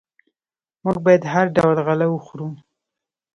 موږ باید هر ډول غله وخورو.